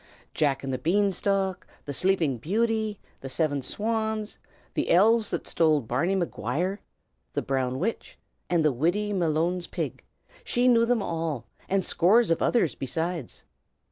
Jack and the Beanstalk, the Sleeping Beauty, the Seven Swans, the Elves that stole Barney Maguire, the Brown Witch, and the Widdy Malone's Pig, she knew them all, and scores of others besides.